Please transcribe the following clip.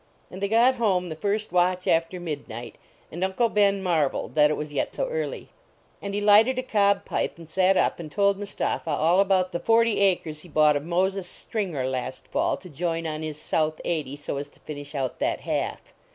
And they got home the first watch after mid night, and Uncle Ben marveled that it was yet so early. And he lighted a cob pipe and sat up and told Mustapha all about the forty acres he bought of Moses Stringer last fall to join on his south eighty, so as to finish out that half.